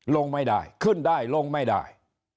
ลงไม่ได้ขึ้นได้ลงไม่ได้